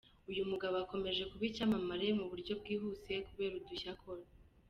Uyu mugabo akomeje kuba icyamamare mu buryo bwihuse kubera udushya akora.